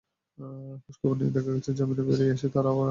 খোঁজ নিয়ে দেখা গেছে, জামিনে বেরিয়ে এসে তাঁরা আবার আগের ব্যবসায় ফিরেছেন।